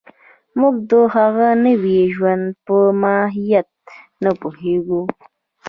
موږ د هغه نوي ژوند په ماهیت نه پوهېږو